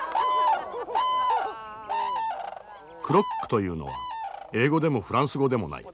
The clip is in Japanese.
クロックというのは英語でもフランス語でもない。